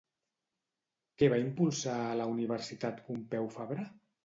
Què va impulsar a la Universitat Pompeu Fabra?